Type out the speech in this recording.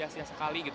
sia sia sekali gitu